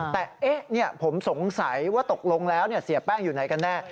แต่ผมสงสัยว่าตกลงแล้วเสียแป้งอยู่ไหนกันแน่